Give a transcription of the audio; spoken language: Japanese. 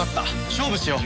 勝負しよう。